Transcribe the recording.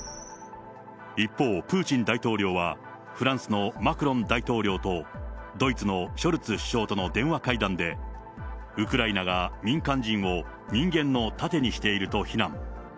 一方、プーチン大統領は、フランスのマクロン大統領とドイツのショルツ首相との電話会談で、ウクライナが民間人を人間の盾にしていると非難。